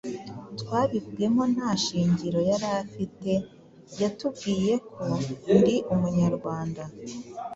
twabibwemo nta shingiro yari afite. Yatubwiye ko “Ndi Umunyarwanda”